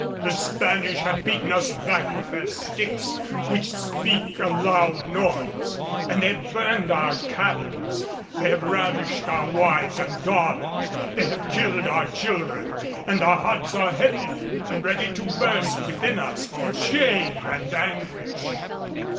The Spanish have beaten us back with their sticks which speak a loud noise, and they have burned our cabins. They have ravished our wives and daughters, they have killed our children; and our hearts are heavy and ready to burst within us for shame and anguish."